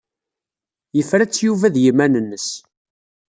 Yefra-tt Yuba ed yiman-nnes.